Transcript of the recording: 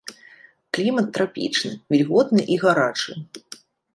Клімат трапічны, вільготны і гарачы.